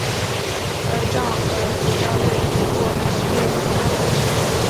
然而赵昂的儿子赵月结果还是被马超所杀。